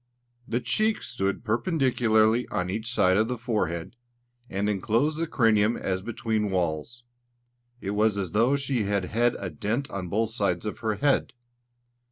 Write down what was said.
The cheeks stood perpendicularly on each side of the forehead, and enclosed the cranium as between walls; it was as though she had had a dent on both sides of her head.